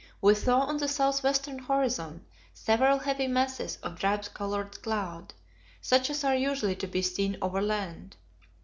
we saw on the south western horizon several heavy masses of drab coloured cloud, such as are usually to be seen over land.